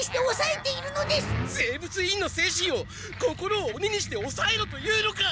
生物委員の精神を心をおににしておさえろと言うのか！